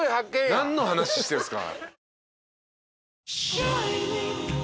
何の話してるんすか。